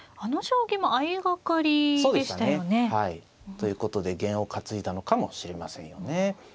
ということで験を担いだのかもしれませんよね。